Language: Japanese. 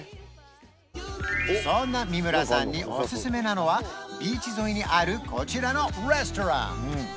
そんな三村さんにおすすめなのはビーチ沿いにあるこちらのレストラン